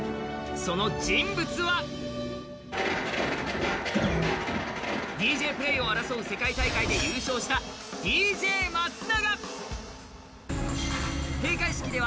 その人物はＤＪプレーを争う世界大会で優勝したＤＪ松永。